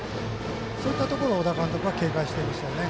そういったところを小田監督は警戒していました。